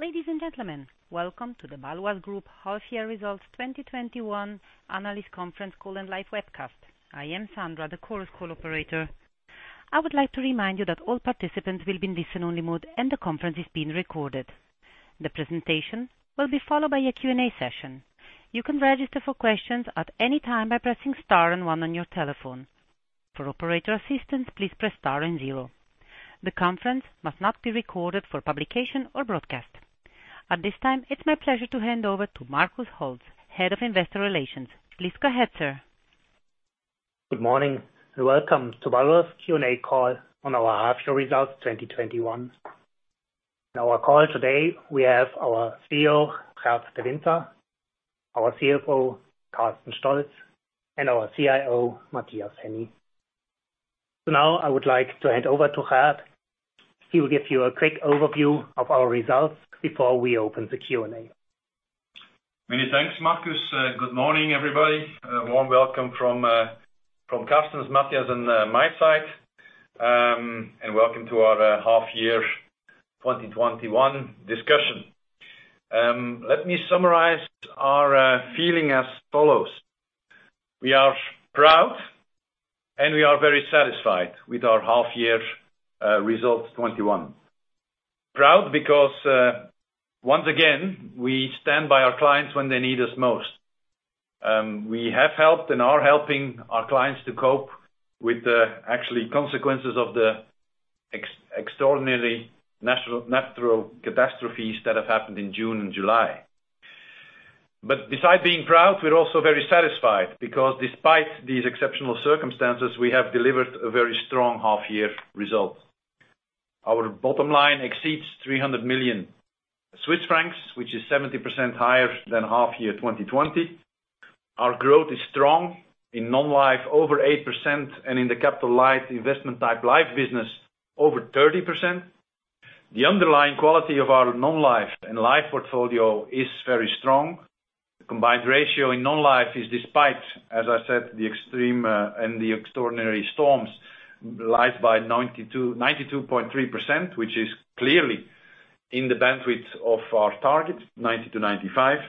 Ladies and gentlemen, welcome to the Bâloise Group Half Year Results 2021 Analyst Conference Call and Live Webcast. I am Sandra, the conference call operator. I would like to remind you that all participants will be in listen-only mode and the conference is being recorded. The presentation will be followed by a Q&A session. You can register for questions at any time by pressing star and one on your telephone. For operator assistance, please press star and zero. The conference must not be recorded for publication or broadcast. At this time, it's my pleasure to hand over to Markus Holtz, Head of Investor Relations. Please go ahead, sir. Good morning and welcome to Bâloise Q&A call on our Half Year Results 2021. On our call today, we have our CEO, Gert De Winter, our CFO, Carsten Stolz, and our CIO, Matthias Henny. Now I would like to hand over to Gert. He will give you a quick overview of our results before we open the Q&A. Many thanks, Markus. Good morning, everybody. A warm welcome from Carsten's, Matthias, and my side. Welcome to our half year 2021 discussion. Let me summarize our feeling as follows. We are proud and we are very satisfied with our half year results 2021. Proud because, once again, we stand by our clients when they need us most. We have helped and are helping our clients to cope with the actual consequences of the extraordinary natural catastrophes that have happened in June and July. Besides being proud, we're also very satisfied because despite these exceptional circumstances, we have delivered a very strong half-year result. Our bottom line exceeds 300 million Swiss francs, which is 70% higher than half year 2020. Our growth is strong in non-life over 8% and in the capital light investment type life business over 30%. The underlying quality of our non-life and life portfolio is very strong. The combined ratio in non-life is despite, as I said, the extreme and the extraordinary storms rise by 92.3%, which is clearly in the bandwidth of our target, 90%-95%.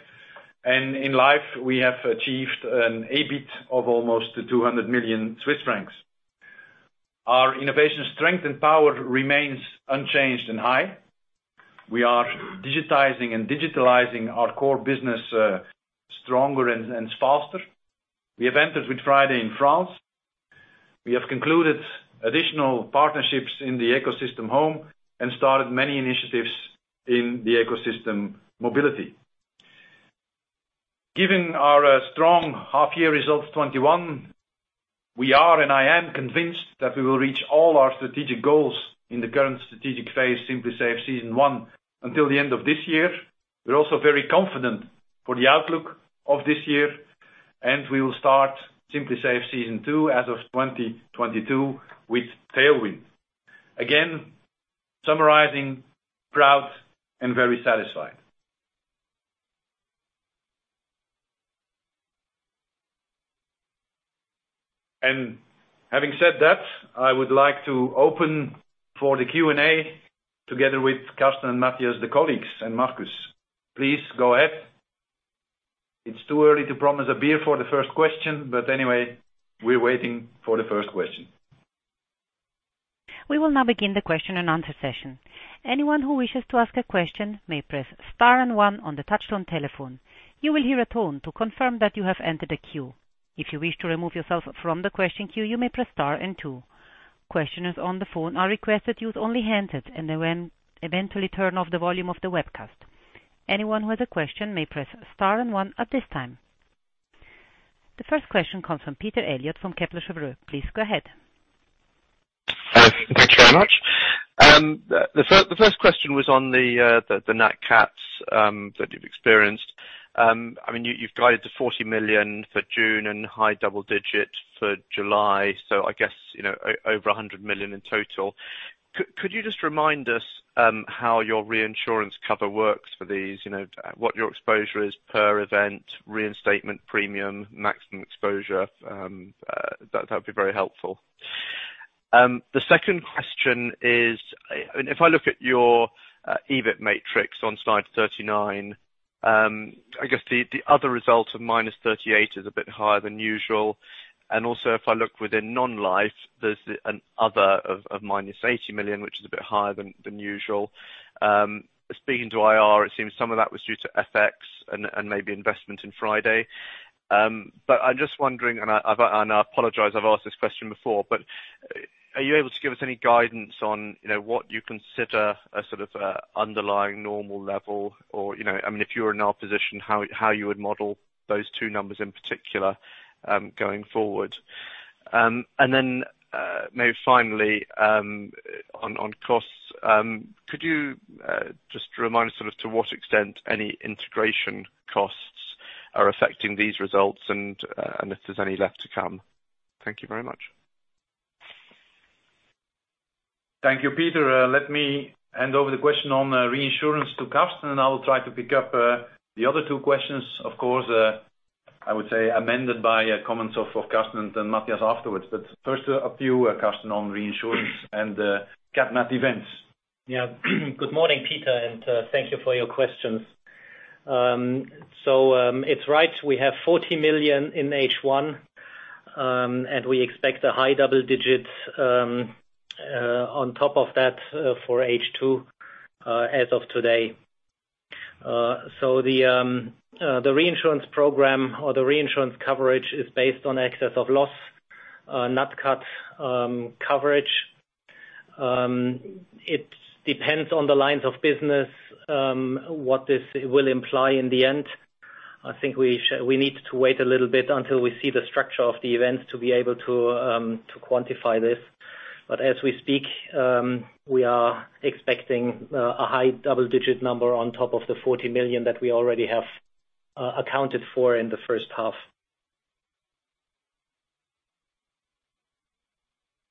In life, we have achieved an EBIT of almost 200 million Swiss francs. Our innovation strength and power remains unchanged and high. We are digitizing and digitalizing our core business stronger and faster. We have entered with FRIDAY in France. We have concluded additional partnerships in the ecosystem home and started many initiatives in the ecosystem mobility. Given our strong Half-year results 2021, we are, and I am convinced that we will reach all our strategic goals in the current strategic phase, Simply Safe: Season 1 until the end of this year. We're also very confident for the outlook of this year. We will start Simply Safe: Season 2 as of 2022 with tailwind. Again, summarizing, proud and very satisfied. Having said that, I would like to open for the Q&A together with Carsten and Matthias, the colleagues, and Markus. Please go ahead. It's too early to promise a beer for the first question, anyway, we're waiting for the first question. We will now begin the question and answer session. Anyone who wishes to ask a question may press star one on the touchtone telephone. You will hear a tone to confirm that you have entered a queue. If you wish to remove yourself from the question queue, you may press star two. Questioners on the phone are requested use only handset and then eventually turn off the volume of the webcast. Anyone who has a question may press star 1 at this time. The first question comes from Peter Eliot from Kepler Cheuvreux. Please go ahead. Thank you very much. The first question was on the nat cats that you've experienced. You've guided to 40 million for June and high double digits for July, so I guess over 100 million in total. Could you just remind us how your reinsurance cover works for these? What your exposure is per event, reinstatement premium, maximum exposure? That would be very helpful. The second question is, if I look at your EBIT matrix on slide 39, I guess the other result of -38 million is a bit higher than usual. Also, if I look within non-life, there's an other of -80 million, which is a bit higher than usual. Speaking to IR, it seems some of that was due to FX and maybe investment in FRIDAY. I'm just wondering, and I apologize I've asked this question before, but are you able to give us any guidance on what you consider a sort of underlying normal level? If you were in our position, how you would model those two numbers in particular going forward? Then, maybe finally, on costs, could you just remind us sort of to what extent any integration costs are affecting these results and if there's any left to come? Thank you very much. Thank you, Peter. Let me hand over the question on reinsurance to Carsten. I will try to pick up the other two questions, of course I would say amended by comments of Carsten and Matthias afterwards. First, a few, Carsten, on reinsurance and cat nat events. Good morning, Peter, and thank you for your questions. It's right, we have 40 million in half one, and we expect a high double digits on top of that for second year as of today. The reinsurance program or the reinsurance coverage is based on excess of loss, nat cat coverage. It depends on the lines of business, what this will imply in the end. I think we need to wait a little bit until we see the structure of the events to be able to quantify this. As we speak, we are expecting a high double-digit number on top of the 40 million that we already have accounted for in the first half.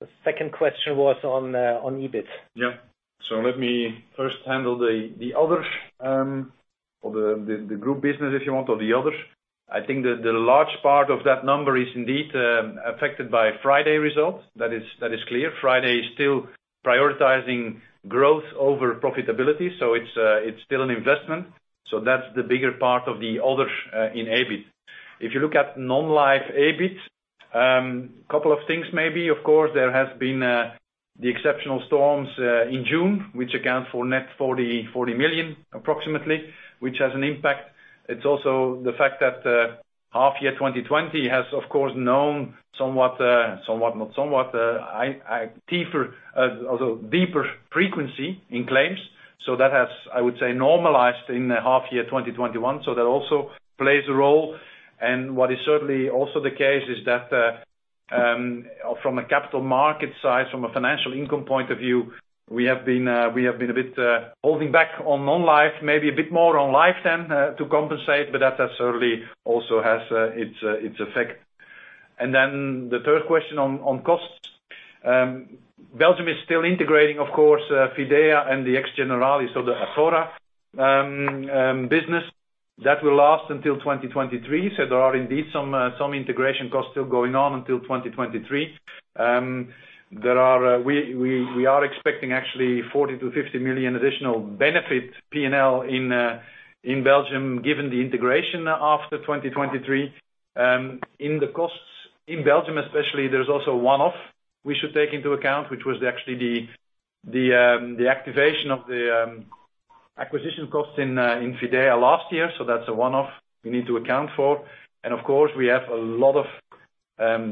The second question was on EBIT. Yeah. Let me first handle the others, or the group business, if you want, or the others. I think that the large part of that number is indeed affected by FRIDAY results. That is clear. FRIDAY is still prioritizing growth over profitability, so it's still an investment. That's the bigger part of the other in EBIT. If you look at non-life EBIT, couple of things maybe, of course, there has been the exceptional storms in June, which account for net 40 million approximately, which has an impact. It's also the fact that half year 2020 has, of course, known somewhat, not somewhat, deeper frequency in claims. That has, I would say, normalized in the half year 2021. That also plays a role, and what is certainly also the case is that, from a capital market side, from a financial income point of view, we have been a bit holding back on non-life, maybe a bit more on life then to compensate, but that certainly also has its effect. Then the third question on costs. Belgium is still integrating, of course, Fidea and the ex-Generali, so the Athora business. That will last until 2023. There are indeed some integration costs still going on until 2023. We are expecting actually 40 million-50 million additional benefit P&L in Belgium, given the integration after 2023. In the costs, in Belgium especially, there's also a one-off we should take into account, which was actually the activation of the acquisition costs in Fidea last year. That's a one-off we need to account for. Of course, we have a lot of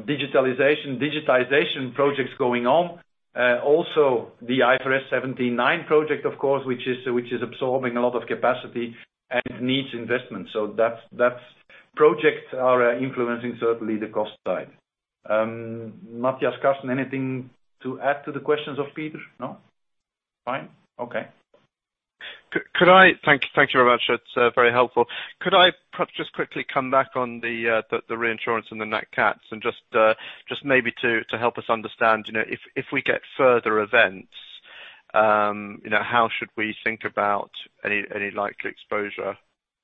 digitalization, digitization projects going on. Also, the IFRS 17 and IFRS 9 project, of course, which is absorbing a lot of capacity and needs investment. Those projects are influencing certainly the cost side. Matthias, Carsten, anything to add to the questions of Peter? No? Fine. Okay. Thank you very much. That is very helpful. Could I perhaps just quickly come back on the reinsurance and the nat cats and just maybe to help us understand, if we get further events, how should we think about any likely exposure?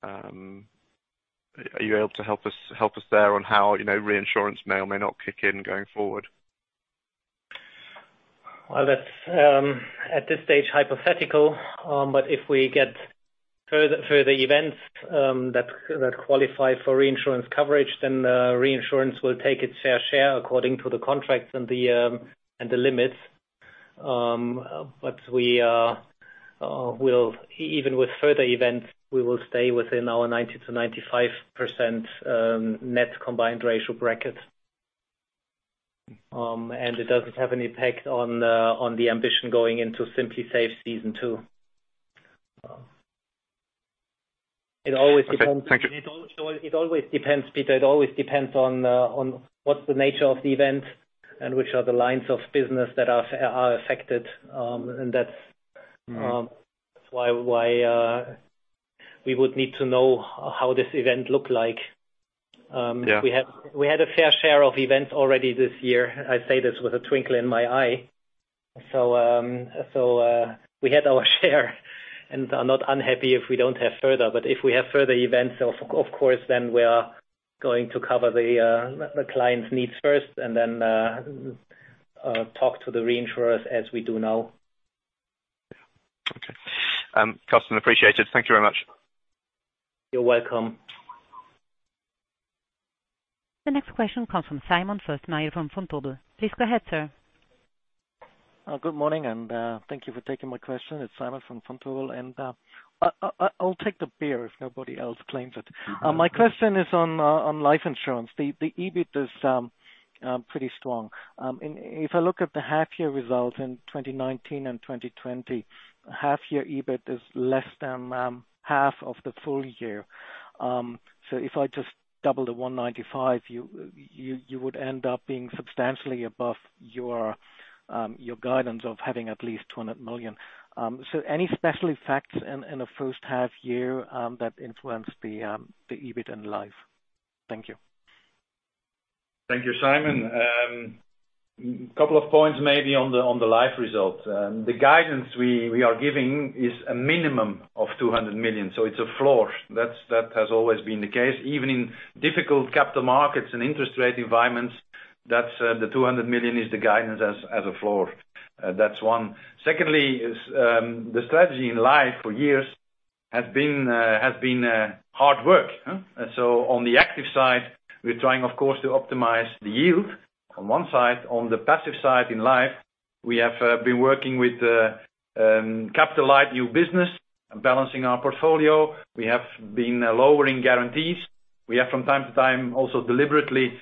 Are you able to help us there on how reinsurance may or may not kick in going forward? Well, that's at this stage hypothetical. If we get further events that qualify for reinsurance coverage, then reinsurance will take its fair share according to the contracts and the limits. Even with further events, we will stay within our 90%-95% net combined ratio bracket. It doesn't have an impact on the ambition going into Simply Safe: Season 2. Okay. Thank you. It always depends, Peter. It always depends on what's the nature of the event and which are the lines of business that are affected. That's why we would need to know how this event look like. Yeah. We had a fair share of events already this year. I say this with a twinkle in my eye. We had our share and are not unhappy if we don't have further, if we have further events, of course, we are going to cover the client's needs first and talk to the reinsurers as we do now. Yeah. Okay. Carsten, appreciate it. Thank you very much. You're welcome. The next question comes from Simon Fössmeier from Vontobel. Please go ahead, sir. Good morning, and thank you for taking my question. It's Simon from Vontobel, and I'll take the beer if nobody else claims it. My question is on life insurance. The EBIT is pretty strong. If I look at the half year results in 2019 and 2020, half year EBIT is less than half of the full year. If I just double the 195 million, you would end up being substantially above your guidance of having at least 200 million. Any special effects in the first half year that influenced the EBIT in life? Thank you. Thank you, Simon. A couple of points maybe on the Life results. The guidance we are giving is a minimum of 200 million, it's a floor. That has always been the case. Even in difficult capital markets and interest rate environments, the 200 million is the guidance as a floor. That's one. Secondly, the strategy in Life for years has been hard work. On the active side, we're trying, of course, to optimize the yield on one side. On the passive side in Life, we have been working with capital light new business and balancing our portfolio. We have been lowering guarantees. We have from time to time also deliberately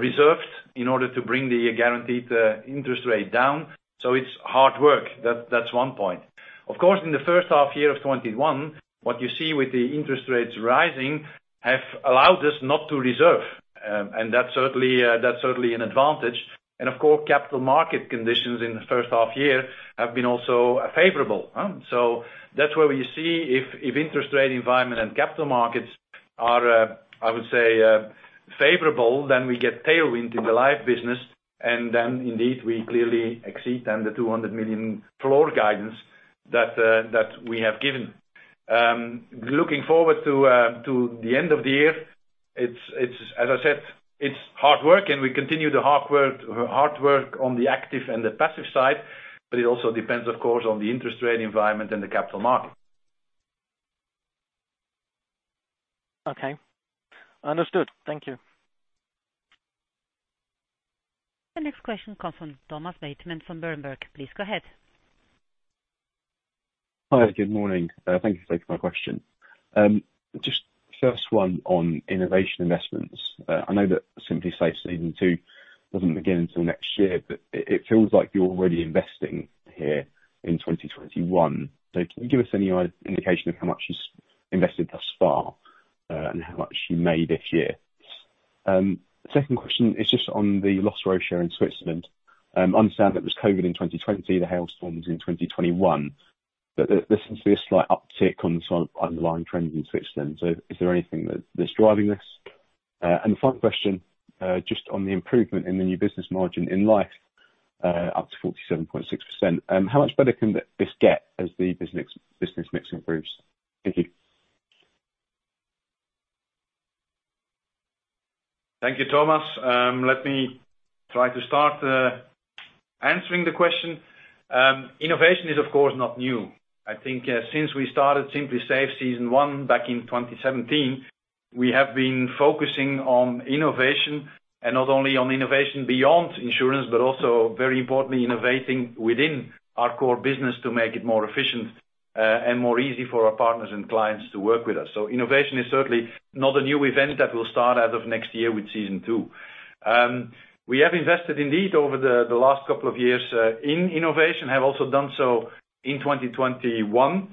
reserved in order to bring the guaranteed interest rate down. It's hard work. That's one point. Of course, in the first half year of 2021, what you see with the interest rates rising have allowed us not to reserve, and that's certainly an advantage. Of course, capital market conditions in the first half year have been also favorable. That's where we see if interest rate environment and capital markets are, I would say, favorable, then we get tailwind in the Life business, and then indeed, we clearly exceed the 200 million floor guidance that we have given. Looking forward to the end of the year, as I said, it's hard work, and we continue the hard work on the active and the passive side, but it also depends, of course, on the interest rate environment and the capital market. Okay. Understood. Thank you. The next question comes from Thomas Bateman from Berenberg. Please go ahead. Hi, good morning. Thank you for taking my question. Just first one on innovation investments. I know that Simply Safe: Season 2 doesn't begin until next year, it feels like you're already investing here in 2021. Can you give us any indication of how much is invested thus far and how much you made this year? Second question is just on the loss ratio in Switzerland. Understand that it was COVID in 2020, the hailstorms in 2021. There seems to be a slight uptick on some underlying trends in Switzerland. Is there anything that's driving this? The final question, just on the improvement in the new business margin in Life, up to 47.6%. How much better can this get as the business mix improves? Thank you. Thank you, Thomas. Let me try to start answering the question. Innovation is, of course, not new. I think since we started Simply Safe: Season 1 back in 2017, we have been focusing on innovation, and not only on innovation beyond insurance, but also very importantly, innovating within our core business to make it more efficient and more easy for our partners and clients to work with us. Innovation is certainly not a new event that will start as of next year with Season 2. We have invested indeed over the last couple of years in innovation, have also done so in 2021.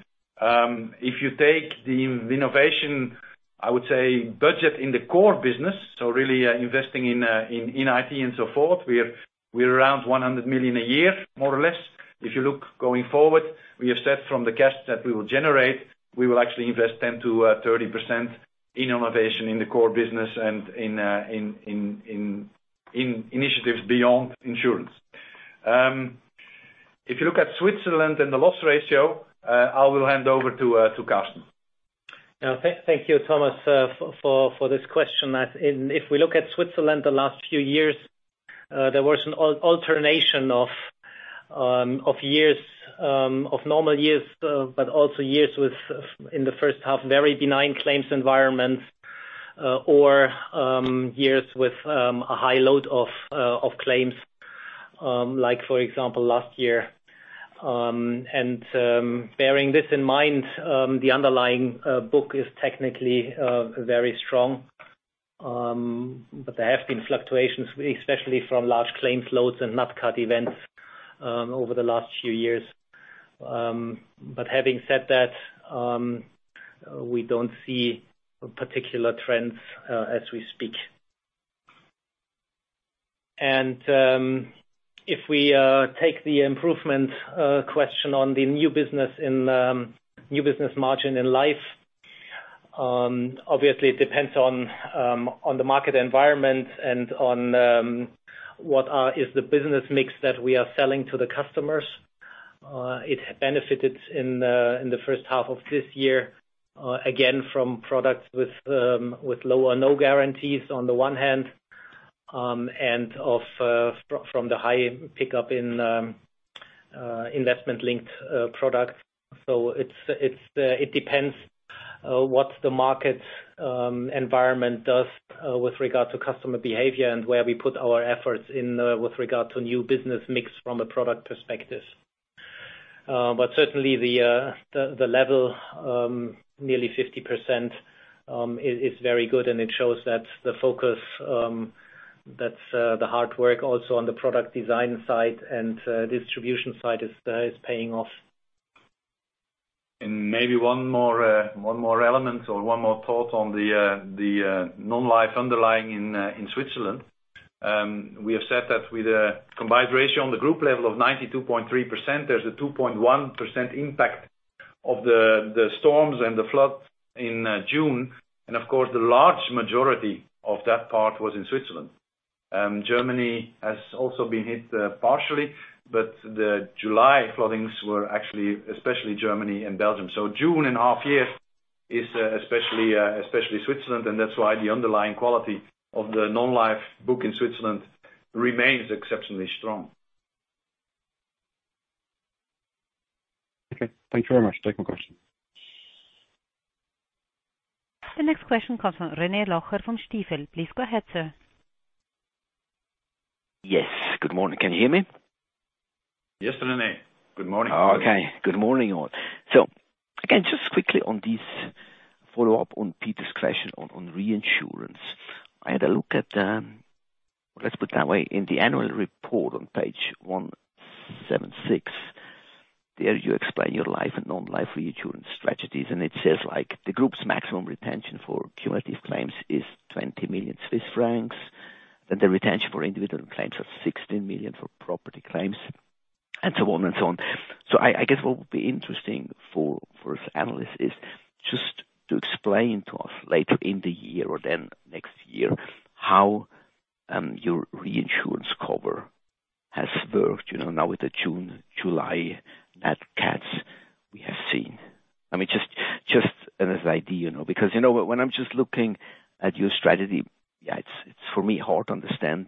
If you take the innovation, I would say, budget in the core business, so really investing in IT and so forth, we are around 100 million a year, more or less. If you look going forward, we have said from the cash that we will generate, we will actually invest 10%-30% in innovation in the core business and in initiatives beyond insurance. If you look at Switzerland and the loss ratio, I will hand over to Carsten. Thank you, Thomas, for this question. If we look at Switzerland the last few years, there was an alternation of normal years, but also years with, in the first half, very benign claims environments, or years with a high load of claims, like for example, last year. Bearing this in mind, the underlying book is technically very strong. There have been fluctuations, especially from large claims loads and nat cat events over the last few years. Having said that, we don't see particular trends as we speak. If we take the improvement question on the new business margin in Life, obviously it depends on the market environment and on what is the business mix that we are selling to the customers. It benefited in the first half of this year, again, from products with low or no guarantees on the one hand, and from the high pickup in investment-linked products. It depends what the market environment does with regard to customer behavior and where we put our efforts in with regard to new business mix from a product perspective. Certainly the level, nearly 50%, is very good, and it shows that the focus, that the hard work also on the product design side and distribution side is paying off. Maybe one more element or one more thought on the non-life underlying in Switzerland. We have said that with a combined ratio on the group level of 92.3%, there's a 2.1% impact of the storms and the floods in June, and of course, the large majority of that part was in Switzerland. Germany has also been hit partially, but the July floodings were actually, especially Germany and Belgium. June and half year is especially Switzerland, and that's why the underlying quality of the non-life book in Switzerland remains exceptionally strong. Okay. Thanks very much. That's my question. The next question comes from René Locher from Stifel. Please go ahead, sir. Yes. Good morning. Can you hear me? Yes, René. Good morning. Good morning, all. Again, just quickly on this follow-up on Peter's question on reinsurance. Let's put it that way. In the annual report on page 176, there you explain your life and non-life reinsurance strategies, and it says, "The group's maximum retention for cumulative claims is 20 million Swiss francs, then the retention for individual claims are 16 million for property claims," and so on. I guess what would be interesting for us analysts is just to explain to us later in the year or next year how your reinsurance cover has worked. With the June, July nat cats we have seen. Just as an idea. When I'm just looking at your strategy, it's for me hard to understand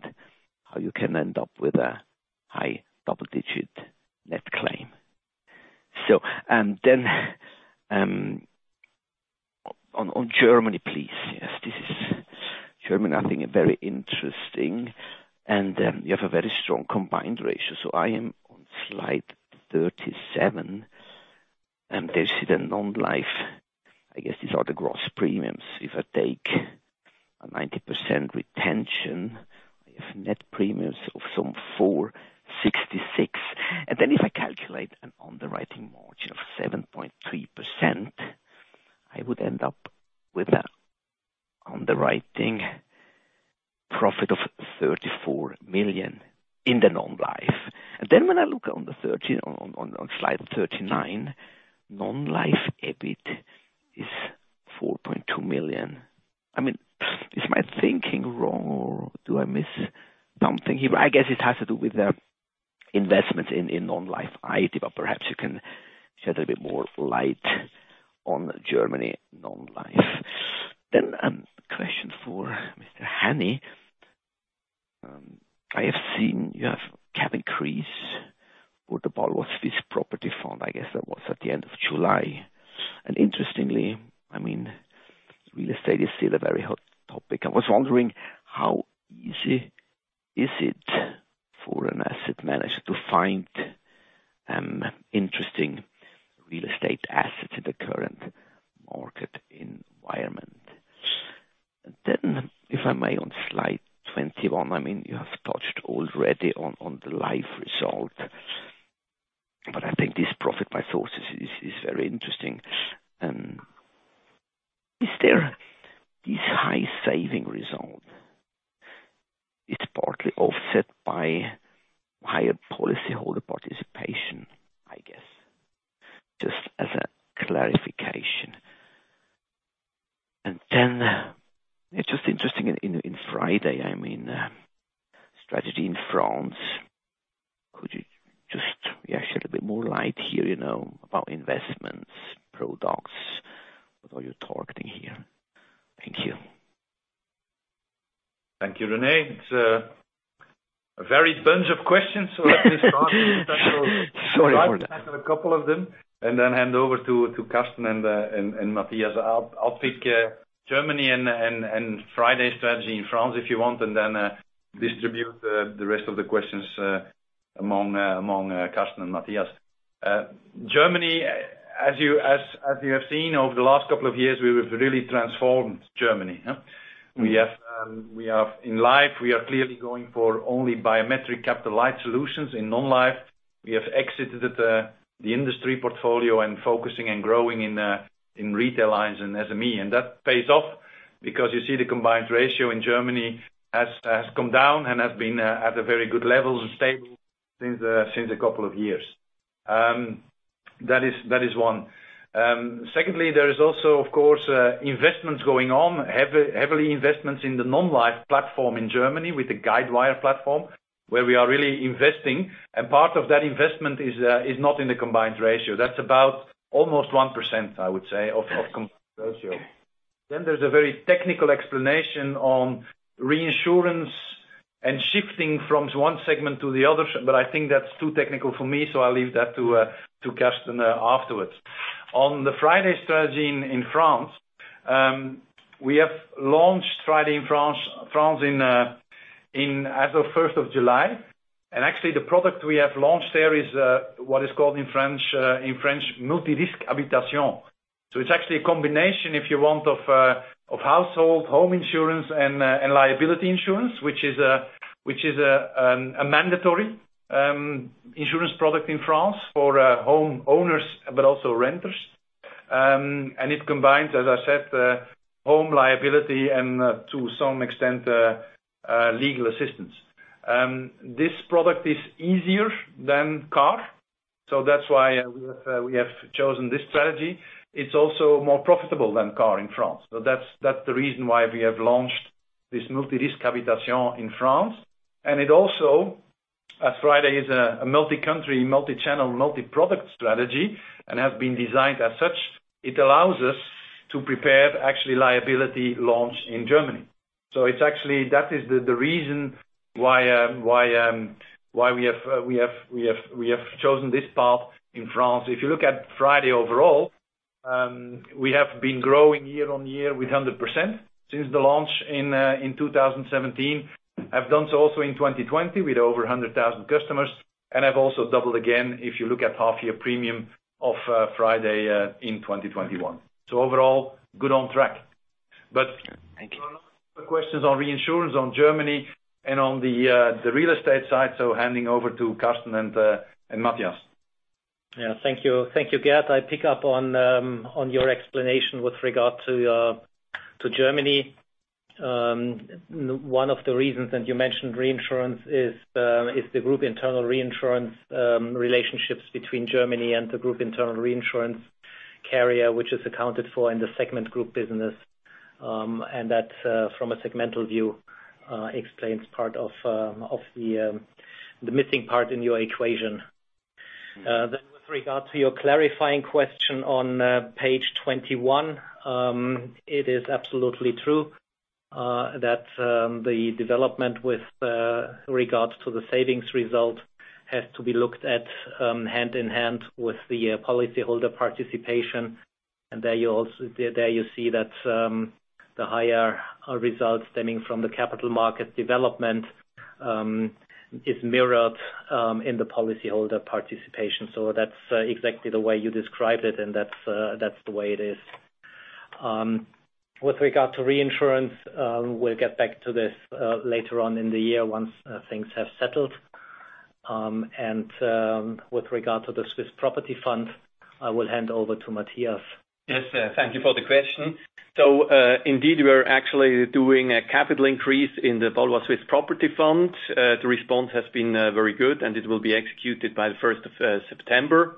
how you can end up with a high double-digit net claim. On Germany, please. Yes, Germany, I think very interesting, and you have a very strong combined ratio. I am on slide 37, and there you see the non-life, I guess these are the gross premiums. If I take a 90% retention, I have net premiums of some 466 million. If I calculate an underwriting margin of 7.3%, I would end up with an underwriting profit of 34 million in the non-life. When I look on slide 39, non-life EBIT is 4.2 million. Is my thinking wrong or do I miss something here? I guess it has to do with the investments in non-life, IT, but perhaps you can shed a bit more light on Germany non-life. Question for Matthias Henny. I have seen you have cap increase for the Baloise Swiss Property Fund. I guess that was at the end of July. Interestingly, real estate is still a very hot topic. I was wondering how easy is it for an asset manager to find interesting real estate assets in the current market environment? If I may, on slide 21, you have touched already on the life result, but I think this profit by sources is very interesting. Is there this high saving result? It's partly offset by higher policyholder participation, I guess. Just as a clarification. It's just interesting in FRIDAY, strategy in France. Could you just shed a bit more light here about investments, products, what are you targeting here? Thank you. Thank you, René. It's a varied bunch of questions. Sorry for that. I will try to tackle a couple of them and then hand over to Carsten and Matthias. I'll pick Germany and FRIDAY strategy in France if you want, and then distribute the rest of the questions among Carsten and Matthias. Germany, as you have seen over the last couple of years, we have really transformed Germany. In life, we are clearly going for only biometric capital light solutions. In non-life, we have exited the industry portfolio and focusing and growing in retail lines and SME. That pays off because you see the combined ratio in Germany has come down and has been at a very good level, stable since a couple of years. That is one. Secondly, there is also, of course, investments going on, heavily investments in the non-life platform in Germany with the Guidewire platform, where we are really investing, and part of that investment is not in the combined ratio. That is about almost 1%, I would say, of combined ratio. There is a very technical explanation on reinsurance and shifting from one segment to the other, but I think that is too technical for me, so I will leave that to Carsten afterwards. On the FRIDAY strategy in France, we have launched FRIDAY in France as of 1st of July, actually the product we have launched there is what is called in French multirisque habitation. It's actually a combination, if you want, of household home insurance and liability insurance, which is a mandatory insurance product in France for homeowners, but also renters. It combines, as I said, home liability and, to some extent, legal assistance. This product is easier than car. That's why we have chosen this strategy. It's also more profitable than car in France. That's the reason why we have launched this multirisque habitation in France. It also, as FRIDAY is a multi-country, multi-channel, multi-product strategy, and has been designed as such, it allows us to prepare actually liability launch in Germany. That is the reason why we have chosen this path in France. If you look at FRIDAY overall, we have been growing year-on-year with 100% since the launch in 2017. We have done so also in 2020 with over 100,000 customers. Have also doubled again if you look at half year premium of FRIDAY in 2021. Overall, good on track. Thank you. For questions on reinsurance on Germany and on the real estate side, handing over to Carsten and Matthias. Thank you. Thank you, Gert. I pick up on your explanation with regard to Germany. One of the reasons, and you mentioned reinsurance, is the group internal reinsurance relationships between Germany and the group internal reinsurance carrier, which is accounted for in the segment group business. That, from a segmental view, explains part of the missing part in your equation. With regard to your clarifying question on page 21, it is absolutely true that the development with regard to the savings result has to be looked at hand in hand with the policyholder participation. There you see that the higher results stemming from the capital market development is mirrored in the policyholder participation. That's exactly the way you described it, and that's the way it is. With regard to reinsurance, we'll get back to this later on in the year once things have settled. With regard to the Swiss Property Fund, I will hand over to Matthias. Yes. Thank you for the question. Indeed, we're actually doing a capital increase in the Baloise Swiss Property Fund. The response has been very good, and it will be executed by the 1st of September.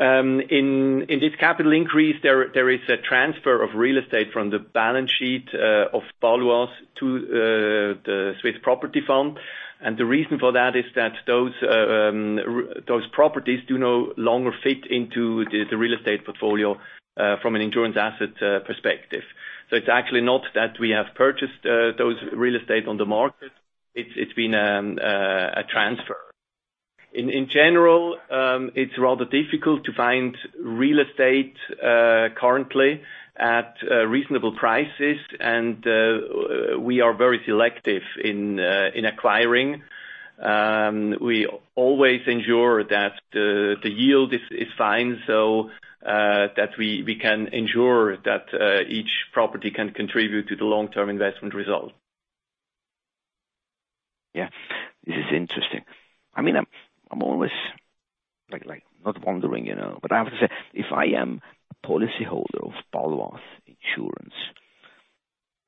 In this capital increase, there is a transfer of real estate from the balance sheet of Bâloise to the Baloise Swiss Property Fund. The reason for that is that those properties do no longer fit into the real estate portfolio from an insurance asset perspective. It's actually not that we have purchased those real estate on the market. It's been a transfer. In general, it's rather difficult to find real estate currently at reasonable prices. We are very selective in acquiring. We always ensure that the yield is fine so that we can ensure that each property can contribute to the long-term investment result. This is interesting. I'm always, not wondering, but I have to say, if I am a policy holder of Bâloise Insurance,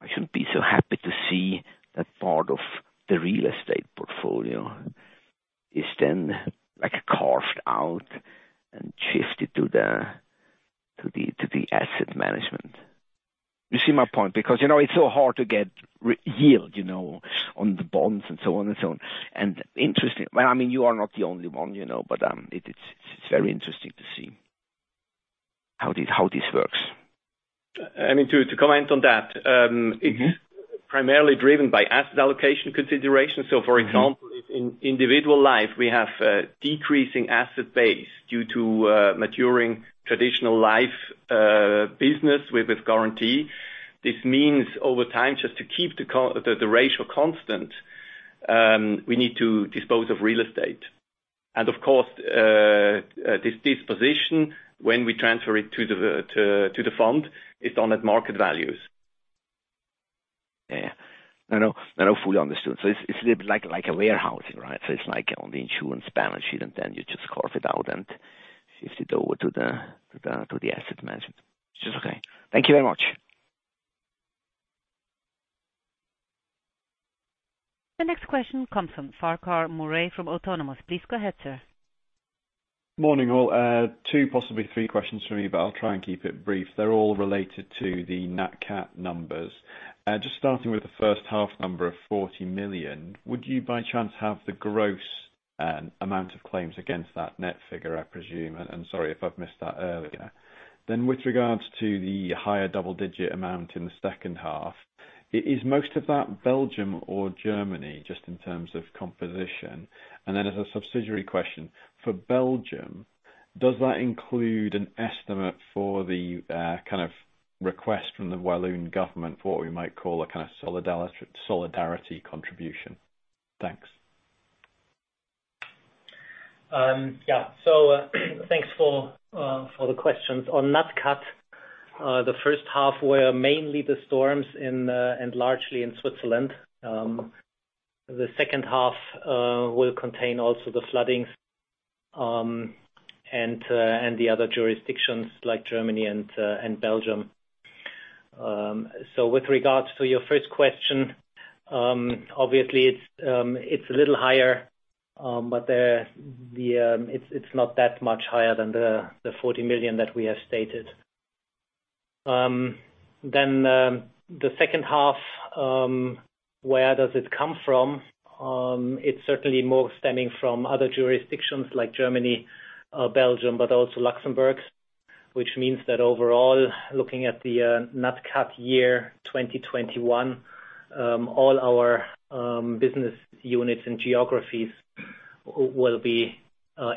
I shouldn't be so happy to see that part of the real estate portfolio is then carved out and shifted to the asset management. You see my point? Because it's so hard to get yield on the bonds and so on. Interesting. You are not the only one, but it's very interesting to see how this works. To comment on that. It's primarily driven by asset allocation consideration. For example, if in individual life we have decreasing asset base due to maturing traditional life business with guarantee. This means over time, just to keep the ratio constant, we need to dispose of real estate. Of course, this disposition, when we transfer it to the fund, is done at market values. Yeah. Now fully understood. It's like a warehousing, right? It's like on the insurance balance sheet, and then you just carve it out and shift it over to the asset management. It's just okay. Thank you very much. The next question comes from Farquhar Murray from Autonomous. Please go ahead, sir. Morning, all. Two, possibly three questions from me. I'll try and keep it brief. They're all related to the nat cat numbers. Just starting with the first half number of 40 million. Would you by chance have the gross amount of claims against that net figure, I presume? Sorry if I've missed that earlier. With regards to the higher double-digit amount in the second half, is most of that Belgium or Germany, just in terms of composition? As a subsidiary question, for Belgium, does that include an estimate for the request from the Walloon government for what we might call a kind of solidarity contribution? Thanks. Thanks for the questions. On nat cat. The first half were mainly the storms and largely in Switzerland. The second half will contain also the floodings and the other jurisdictions like Germany and Belgium. With regards to your first question, obviously it's a little higher, but it's not that much higher than the 40 million that we have stated. The second half, where does it come from? It's certainly more stemming from other jurisdictions like Germany, Belgium, but also Luxembourg, which means that overall, looking at the nat cat year 2021, all our business units and geographies will be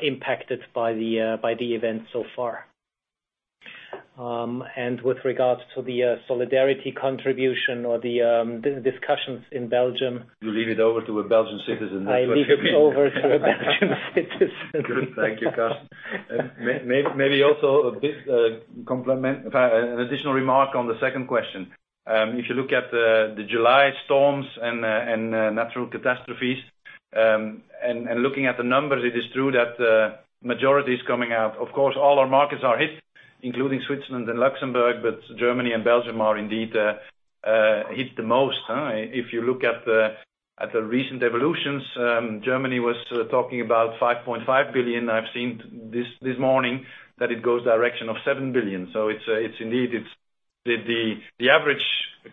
impacted by the events so far. With regards to the solidarity contribution or the discussions in Belgium. You leave it over to a Belgian citizen. I leave it over to a Belgian citizen. Good. Thank you, Carsten. Maybe also an additional remark on the second question. If you look at the July storms and natural catastrophes, and looking at the numbers, it is true that majority is coming out. Of course, all our markets are hit, including Switzerland and Luxembourg, but Germany and Belgium are indeed hit the most. If you look at the recent evolutions, Germany was talking about 5.5 billion. I've seen this morning that it goes direction of 7 billion. Indeed, the average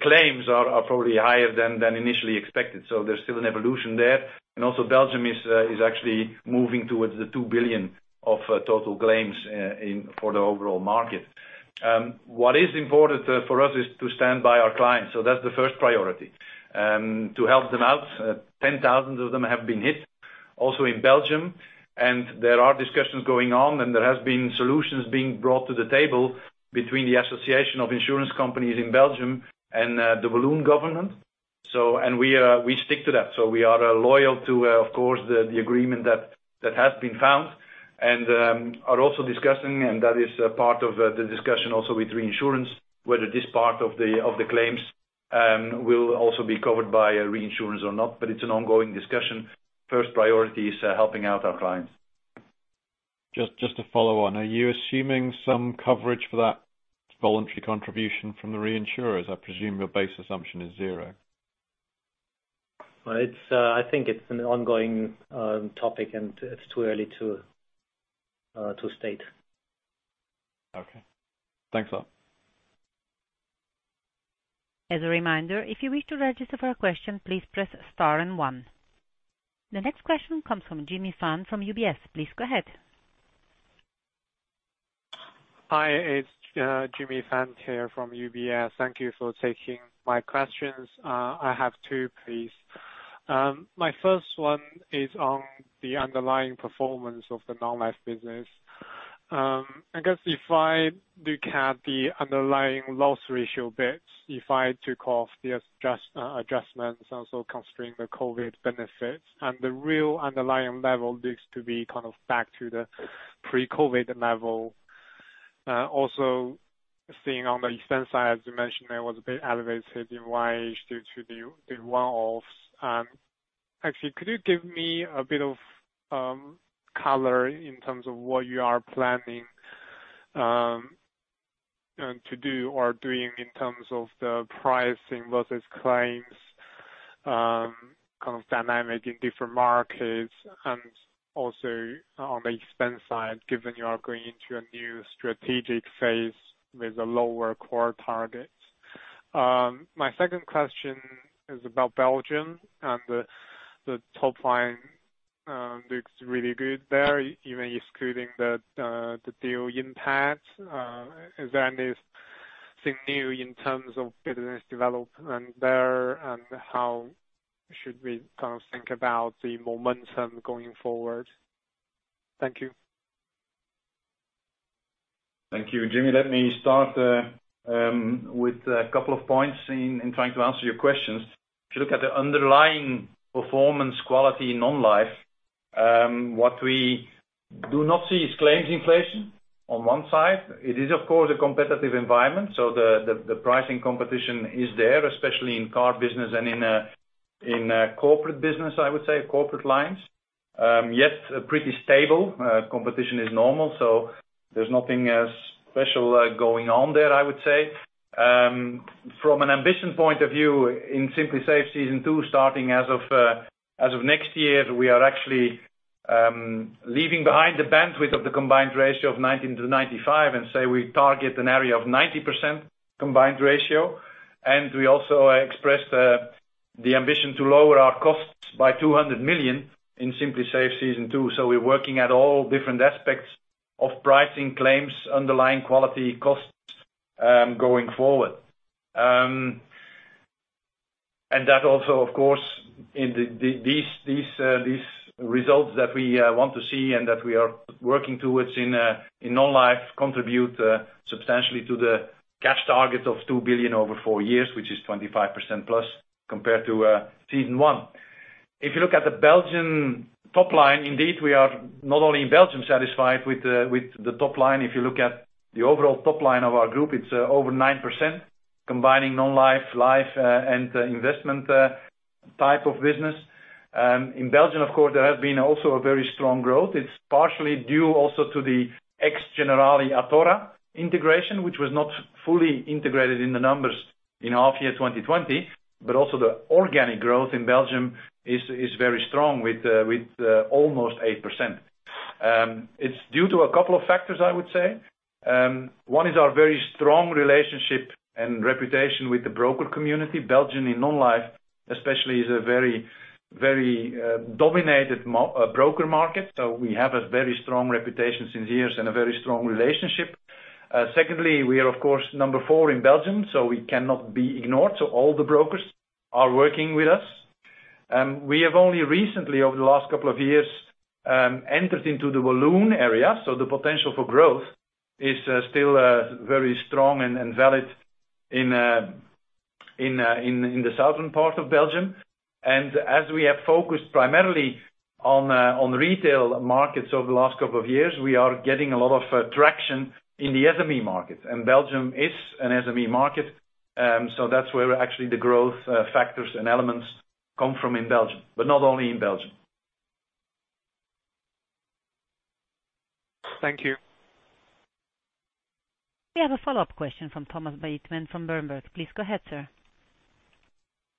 claims are probably higher than initially expected. There's still an evolution there. Also Belgium is actually moving towards the 2 billion of total claims for the overall market. What is important for us is to stand by our clients. That's the first priority. To help them out, 10,000 of them have been hit also in Belgium. There are discussions going on, and there has been solutions being brought to the table between the association of insurance companies in Belgium and the Walloon government. We stick to that. We are loyal to, of course, the agreement that has been found and are also discussing, and that is part of the discussion also with reinsurance, whether this part of the claims will also be covered by reinsurance or not. It's an ongoing discussion. First priority is helping out our clients. Just to follow on, are you assuming some coverage for that voluntary contribution from the reinsurers? I presume your base assumption is zero. I think it's an ongoing topic and it's too early to state. Okay. Thanks a lot. As a reminder, if you wish to register for a question, please press star and 1. The next question comes from Jimmy Fan from UBS. Please go ahead. Hi, it's Jimmy Fan here from UBS. Thank you for taking my questions. I have two, please. My first one is on the underlying performance of the non-life business. I guess if I look at the underlying loss ratio bits, if I took off the adjustments and also considering the COVID benefits, and the real underlying level looks to be back to the pre-COVID level. Also seeing on the expense side, as you mentioned, it was a bit elevated in [half one] due to the one-offs. Actually, could you give me a bit of color in terms of what you are planning to do or doing in terms of the pricing versus claims dynamic in different markets, and also on the expense side, given you are going into a new strategic phase with a lower core target? My second question is about Belgium and the top line looks really good there, even excluding the deal impact. Is there anything new in terms of business development there, and how should we think about the momentum going forward? Thank you. Thank you, Jimmy. Let me start with a couple of points in trying to answer your questions. If you look at the underlying performance quality non-life, what we do not see is claims inflation on one side. It is, of course, a competitive environment, so the pricing competition is there, especially in car business and in corporate business, I would say, corporate lines, yet pretty stable. Competition is normal, so there's nothing special going on there, I would say. From an ambition point of view, in Simply Safe: Season 2, starting as of next year, we are actually leaving behind the bandwidth of the combined ratio of 90%-95% and say we target an area of 90% combined ratio. We also expressed the ambition to lower our costs by 200 million in Simply Safe: Season 2. We're working at all different aspects of pricing claims, underlying quality costs going forward. That also, of course, these results that we want to see and that we are working towards in non-life contribute substantially to the cash target of 2 billion over four years, which is 25%+ compared to Season 1. If you look at the Belgian top line, indeed, we are not only in Belgium satisfied with the top line. If you look at the overall top line of our Group, it's over 9%, combining non-life, life, and investment type of business. In Belgium, of course, there has been also a very strong growth. It's partially due also to the ex-Generali Athora integration, which was not fully integrated in the numbers in half year 2020, but also the organic growth in Belgium is very strong with almost 8%. It's due to a couple of factors, I would say. One is our very strong relationship and reputation with the broker community. Belgium in non-life especially is a very dominated broker market. We have a very strong reputation since years and a very strong relationship. Secondly, we are of course number four in Belgium, we cannot be ignored, all the brokers are working with us. We have only recently, over the last couple of years, entered into the Walloon area, the potential for growth is still very strong and valid in the southern part of Belgium. As we have focused primarily on retail markets over the last couple of years, we are getting a lot of traction in the SME market. Belgium is an SME market, that's where actually the growth factors and elements come from in Belgium, but not only in Belgium. Thank you. We have a follow-up question from Thomas Bateman from Berenberg. Please go ahead, sir.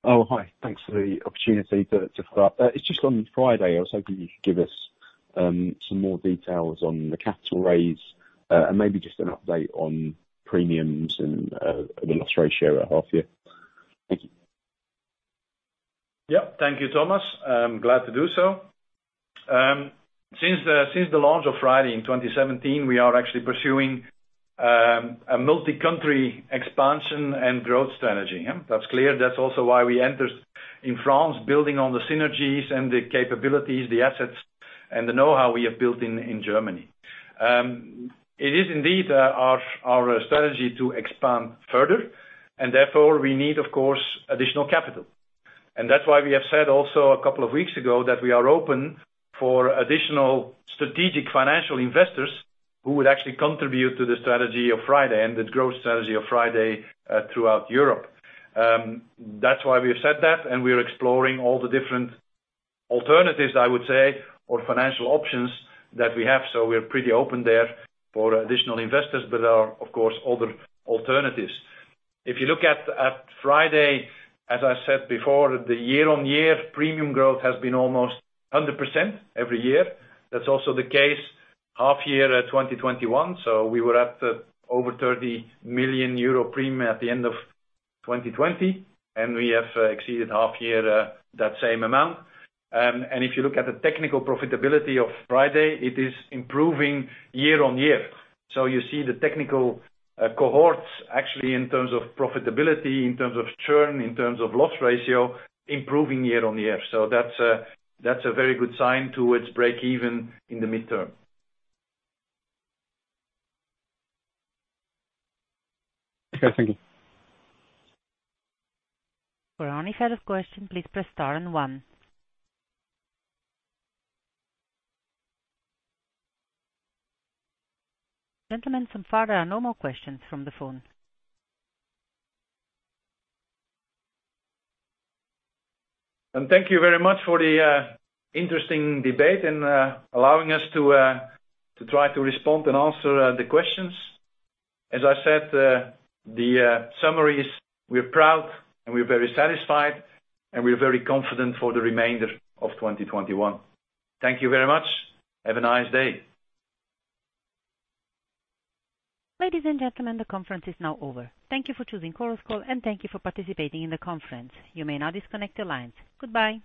Oh, hi. Thanks for the opportunity to follow up. It's just on FRIDAY, I was hoping you could give us some more details on the capital raise, and maybe just an update on premiums and the loss ratio at half year. Thank you. Yeah. Thank you, Thomas. I am glad to do so. Since the launch of FRIDAY in 2017, we are actually pursuing a multi-country expansion and growth strategy. That's clear. That's also why we entered in France, building on the synergies and the capabilities, the assets, and the knowhow we have built in Germany. It is indeed our strategy to expand further. Therefore, we need, of course, additional capital. That's why we have said also a couple of weeks ago that we are open for additional strategic financial investors who would actually contribute to the strategy of FRIDAY and the growth strategy of FRIDAY throughout Europe. That's why we have said that. We are exploring all the different alternatives, I would say, or financial options that we have. We are pretty open there for additional investors. There are, of course, other alternatives. If you look at FRIDAY, as I said before, the year-on-year premium growth has been almost 100% every year. That's also the case half year 2021. We were at over 30 million euro premium at the end of 2020. We have exceeded half year that same amount. If you look at the technical profitability of FRIDAY, it is improving year-on-year. You see the technical cohorts actually in terms of profitability, in terms of churn, in terms of loss ratio, improving year-on-year. That's a very good sign towards break even in the midterm. Okay, thank you. For any further question, please press star and one. Gentlemen, so far there are no more questions from the phone. Thank you very much for the interesting debate and allowing us to try to respond and answer the questions. As I said, the summary is we're proud and we're very satisfied, and we are very confident for the remainder of 2021. Thank you very much. Have a nice day. Ladies and gentlemen, the conference is now over. Thank you for choosing Chorus Call, and thank you for participating in the conference. You may now disconnect the lines. Goodbye.